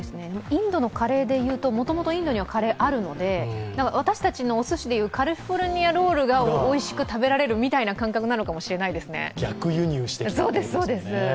インドのカレーでいうと、もともとインドにカレーあるので、私たちのおすしでいう、カリフォルニアロールがおいしく食べられるみたいな感覚なのかもしれないですね。